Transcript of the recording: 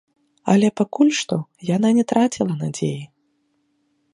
Але пакуль што яна не траціла надзеі.